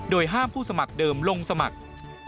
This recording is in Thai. ห้ามผู้สมัครเดิมลงสมัคร